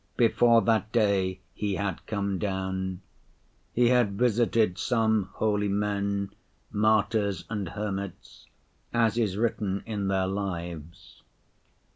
Before that day He had come down, He had visited some holy men, martyrs and hermits, as is written in their lives.